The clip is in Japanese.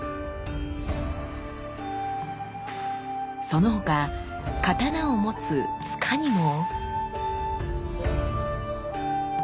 その他刀を持つ柄にも。